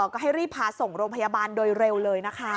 ก็ให้รีบพาส่งโรงพยาบาลโดยเร็วเลยนะคะ